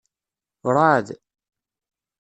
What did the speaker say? Ur ɛad.